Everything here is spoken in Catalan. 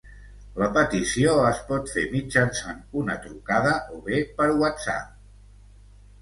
La petició es pot fer mitjançant una trucada o bé per whatsapp.